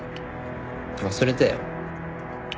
忘れたよ。